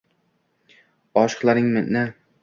oshiqlaringni